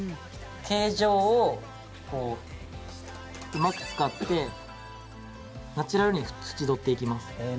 形状をうまく使ってナチュラルに縁取っていきます。